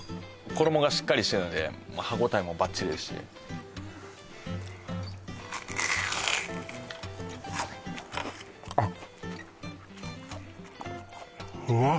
衣がしっかりしてるので歯ごたえもバッチリですしあっ